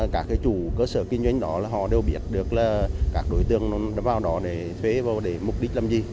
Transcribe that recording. các chủ cơ sở kinh doanh đó là họ đều biết được là các đối tượng vào đó để thuê vào để mục đích làm gì